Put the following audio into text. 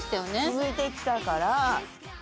続いてきたから。